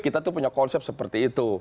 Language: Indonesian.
kita tuh punya konsep seperti itu